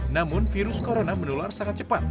namun virus corona menular sangat cepat